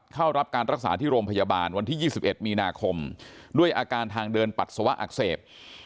เข้ารับการรักษาที่โรงพยาบาลวันที่๒๑มีนาคมด้วยอาการทางเดินปัสสาวะอักเสบ